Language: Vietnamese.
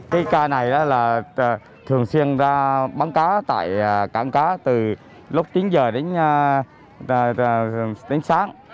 cái ca này là thường xuyên ra bắn cá tại cảng cá từ lúc chín giờ đến sáng